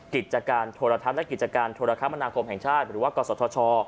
กิจการโทรทัศน์และกิจการโทรคมนาคมแห่งชาติหรือว่ากศธช